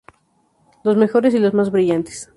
Los mejores y los más brillantes.